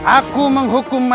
aku menghukum manusia